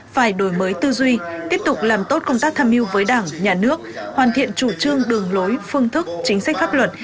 phải đổi mới tư duy tiếp tục làm tốt công tác tham mưu với đảng nhà nước hoàn thiện chủ trương đường lối phương thức chính sách pháp luật